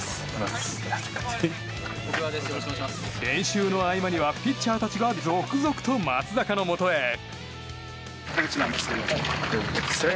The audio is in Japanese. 練習の合間にはピッチャーたちが続々と松坂のもとへ。